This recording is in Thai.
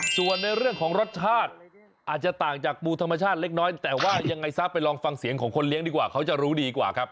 ส่วนในเรื่องของรสชาติอาจจะต่างจากปูธรรมชาติเล็กน้อยแต่ว่ายังไงซะไปลองฟังเสียงของคนเลี้ยงดีกว่าเขาจะรู้ดีกว่าครับ